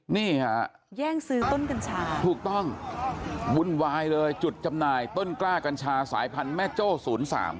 นี่ฮะแย่งซื้อต้นกัญชาถูกต้องวุ่นวายเลยจุดจำหน่ายต้นกล้ากัญชาสายพันธุ์แม่โจ้ศูนย์สาม